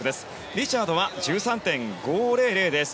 リチャードは１３．５００です。